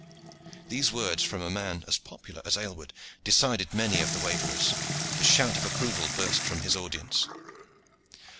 These words from a man as popular as Aylward decided many of the waverers, and a shout of approval burst from his audience.